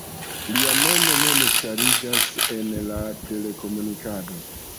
Lia nomo memstariĝis en la telekomunikado.